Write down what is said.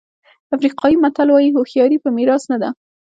افریقایي متل وایي هوښیاري په میراث نه ده.